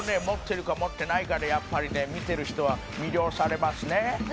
持ってるか持ってないかでやっぱりね見てる人は魅了されますね」